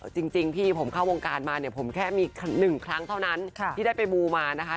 จริงพี่ผมเข้าวงการมาเนี่ยผมแค่มี๑ครั้งเท่านั้นที่ได้ไปมูมานะคะ